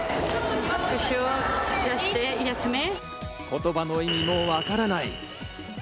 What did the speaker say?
言葉の意味もわからない。